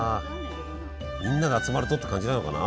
みんなが集まるとって感じなのかな？